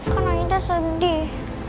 kan aida sedih